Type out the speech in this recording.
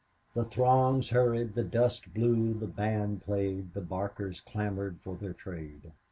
The throngs hurried, the dust blew, the band played, the barkers clamored for their trade.